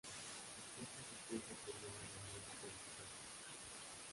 esta sapienza preñada de anhelo codificador